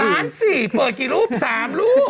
ล้านสี่เปิดกี่รูปสามรูป